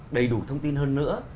đầy đủ thông tin hơn nữa